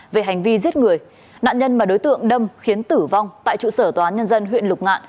về hành vi giết người nạn nhân mà đối tượng đâm khiến tử vong tại trụ sở toán nhân dân huyện lục ngạn